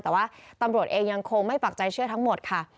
แต่ว่าตำรวจเองยังคงไม่ปักใจเชื่อทั้งหมดค่ะ